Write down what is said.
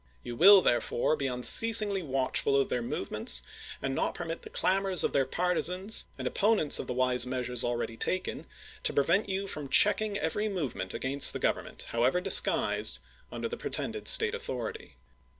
You will, therefore, be unceasingly watchful of their movements, and not permit the clamors of their partisans and opponents of the wise measures already taken to prevent you from checking every move ment against the Government, however disguised, under the pretended State authority.